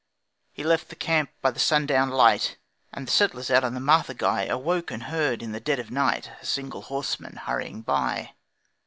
He left the camp by the sundown light, And the settlers out on the Marthaguy Awoke and heard, in the dead of night, A single horseman hurrying by.